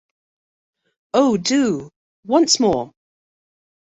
Oh, do — once more!